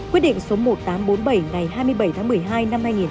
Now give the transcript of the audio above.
quyết định số một nghìn tám trăm bốn mươi bảy ngày hai mươi bảy tháng một mươi hai